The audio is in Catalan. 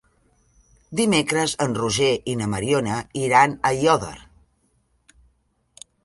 Dimecres en Roger i na Mariona iran a Aiòder.